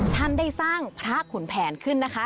ท่านได้สร้างพระขุนแผนขึ้นนะคะ